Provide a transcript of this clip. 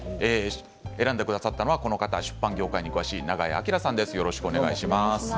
選んでくださったのは出版業界に詳しい永江朗さんです。